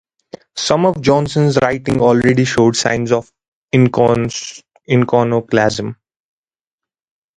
Some of Johnson's writing already showed signs of iconoclasm.